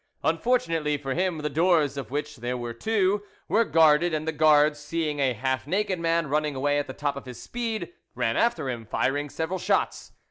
Unfortunately for him, the doors, of which there were two, were guarded, and the guards, seeing a half naked man running away at the top of his speed, ran after him, firing several shots.